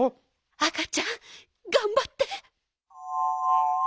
あかちゃんがんばって！